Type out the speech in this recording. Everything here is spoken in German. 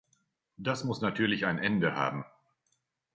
Das muss natürlich ein Ende haben.